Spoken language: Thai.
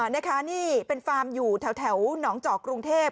นะคะนี่เป็นฟาร์มอยู่แถวหนองเจาะกรุงเทพ